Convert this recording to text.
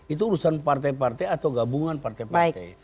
itu urusan partai partai atau gabungan partai partai